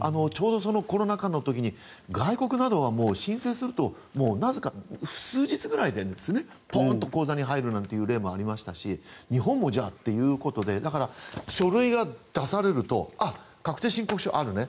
コロナ禍の時、外国などは数日ぐらいでポンと口座に入るという例もありましたし日本も、じゃあということでだから書類が出されると確定申告書あるね